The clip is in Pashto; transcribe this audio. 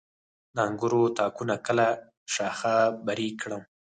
د انګورو تاکونه کله شاخه بري کړم؟